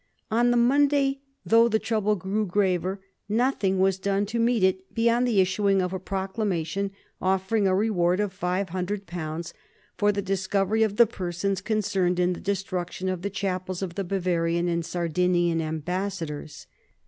On the Monday, though the trouble grew graver, nothing was done to meet it beyond the issuing of a proclamation offering a reward of five hundred pounds for the discovery of the persons concerned in the destruction of the chapels of the Bavarian and Sardinian Ambassadors.